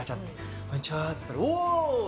こんにちはって言ったらおー！